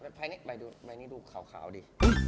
ใบนี้ดูขาวดิ